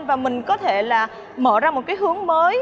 và mình có thể mở ra một hướng mới